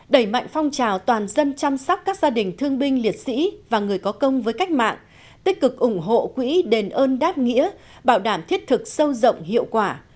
đẩy mạnh phong trào toàn dân chăm sóc các gia đình thương binh liệt sĩ và người có công với cách mạng tích cực ủng hộ quỹ đền ơn đáp nghĩa bảo đảm thiết thực sâu rộng hiệu quả